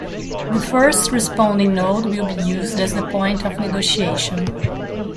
The first responding node will be used as the point of negotiation.